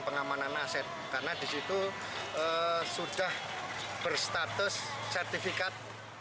pengamanan aset karena di situ sudah berstatus sertifikat